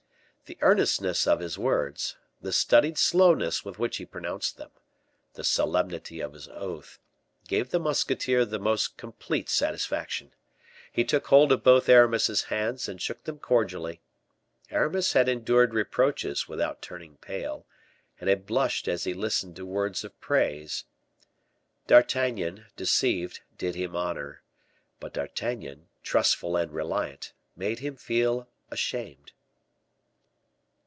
The earnestness of his words, the studied slowness with which he pronounced them, the solemnity of his oath, gave the musketeer the most complete satisfaction. He took hold of both Aramis's hands, and shook them cordially. Aramis had endured reproaches without turning pale, and had blushed as he listened to words of praise. D'Artagnan, deceived, did him honor; but D'Artagnan, trustful and reliant, made him feel ashamed.